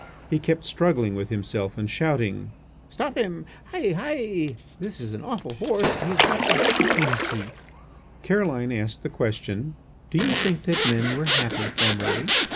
He kept struggling with himself and shouting: "Stop him, Hi! Hi! This is an awful horse, he has got the bit between his teeth." Caroline asked the question: "Do you think that men were happy formerly?"